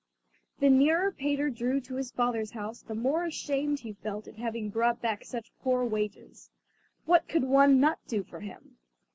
The nearer Peter drew to his father's house the more ashamed he felt at having brought back such poor wages. What could one nut do for him?